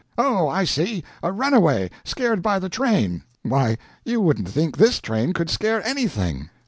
Oh I see a runaway scared by the train; why, you wouldn't think this train could scare anything.